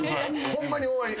ホンマに終わり。